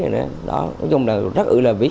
nói chung là rất ư là viết